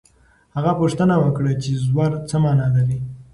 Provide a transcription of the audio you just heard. هغه پوښتنه وکړه چې زور څه مانا لري.